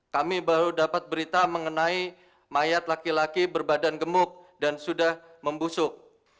kami baru dapat berita mengenai mayat laki laki berbadan gemuk dan sudah membusuk